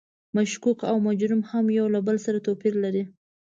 مشکوک او مجرم هم یو له بل سره توپیر لري.